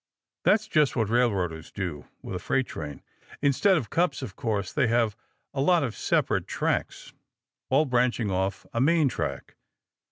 That's just what railroaders do with a freight train. Instead of cups, of course, they have a lot of separate tracks, all branching off a main track.